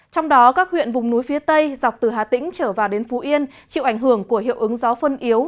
trong đó các huyện vùng núi phía tây dọc từ hà tĩnh trở vào đến phú yên chịu ảnh hưởng của hiệu ứng gió phân yếu